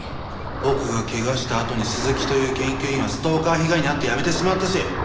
僕が怪我したあとに鈴木という研究員はストーカー被害に遭って辞めてしまったし。